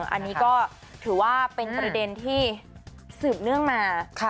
อันนี้ก็ถือว่าเป็นประเด็นที่สืบเนื่องมา